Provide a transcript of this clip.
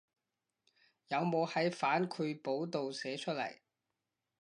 有冇喺反饋簿度寫出來